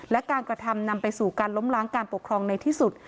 และการกระทำนำไปสู่การล้มล้างการปกครองในที่สุด